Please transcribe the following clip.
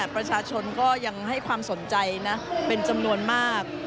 ประชาชนก็ยังให้ความสนใจนะเป็นจำนวนมาก